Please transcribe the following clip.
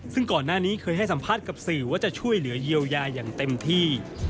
ซึ่งก่อนหน้านี้เคยให้สัมภาษณ์กับสื่อว่าจะช่วยเหลือเยียวยาอย่างเต็มที่